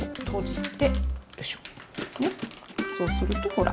そうするとほら。